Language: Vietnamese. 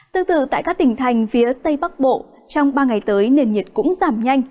tương tự tại các tỉnh thành phía tây bắc bộ trong ba ngày tới nền nhiệt cũng giảm nhanh